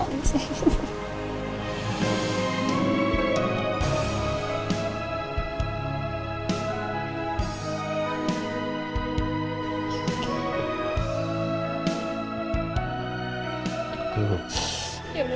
aduh aku mau pergi ke rumah